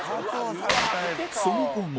その後も